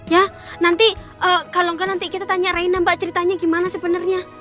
ya nanti kalau enggak nanti kita tanya raina mbak ceritanya gimana sebenarnya